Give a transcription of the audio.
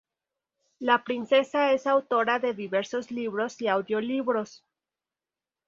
La princesa es autora de diversos libros y audiolibros.